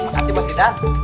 makasih bos idan